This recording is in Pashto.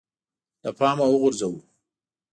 له پامه وغورځوو